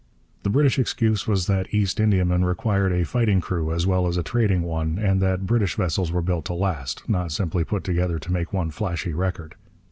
The British excuse was that East Indiamen required a fighting crew as well as a trading one, and that British vessels were built to last, not simply put together to make one flashy record.